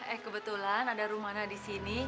eh kebetulan ada rumahnya disini